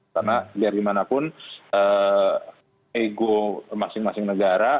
karena biar dimanapun ego masing masing negara